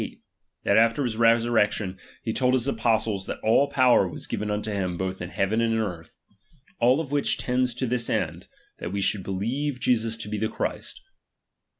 that ^^H after his resurrection, he told his apostles that all power was given unto him both in heaven and in ciiap.xvui earth. All which tends to this end ; that we should ~ believe Jesus to be the Christ.